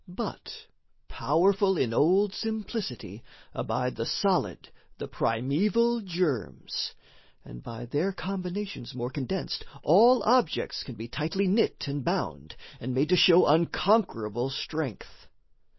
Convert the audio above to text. But powerful in old simplicity, Abide the solid, the primeval germs; And by their combinations more condensed, All objects can be tightly knit and bound And made to show unconquerable strength.